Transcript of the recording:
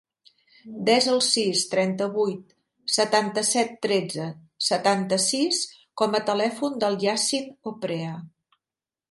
Desa el sis, trenta-vuit, setanta-set, tretze, setanta-sis com a telèfon del Yassin Oprea.